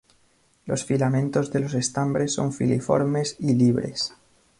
Los filamentos de los estambres son filiformes y libres.